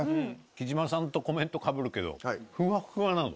貴島さんとコメントかぶるけどふわふわなの。